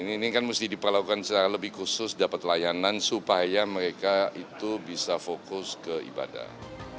ini kan mesti diperlakukan secara lebih khusus dapat layanan supaya mereka itu bisa fokus ke ibadah